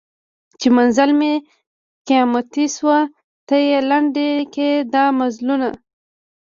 چي منزل مي قیامتي سو ته یې لنډ کي دا مزلونه